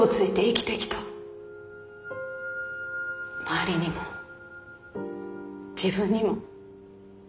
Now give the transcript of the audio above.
周りにも自分にも。